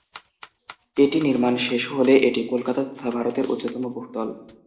এটির নির্মাণ শেষ হলে এটি কলকাতা তথা ভারতের উচ্চতম বহুতল।